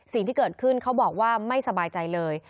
สิ่งที่เกิดขึ้นเขาบอกว่าไม่สบายใจเลย